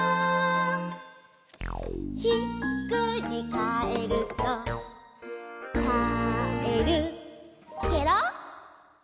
「ひっくりかえるとかえるケロ」